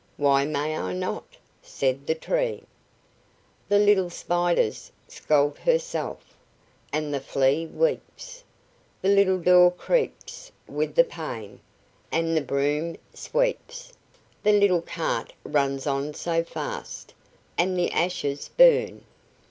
"Why may I not?" said the tree: "The little Spider's scalt herself, And the Flea weeps; The little door creaks with the pain, And the broom sweeps; The little cart runs on so fast, And the ashes burn."